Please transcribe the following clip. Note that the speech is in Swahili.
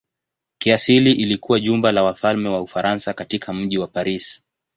Kiasili ilikuwa jumba la wafalme wa Ufaransa katika mji wa Paris.